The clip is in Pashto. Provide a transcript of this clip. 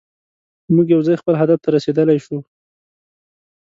موږ یوځای خپل هدف ته رسیدلی شو.